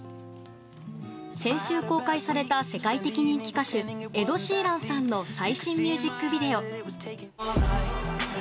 先週公開された世界的人気歌手エド・シーランさんの最新ミュージックビデオ。